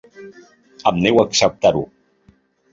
Em nego a acceptar-ho.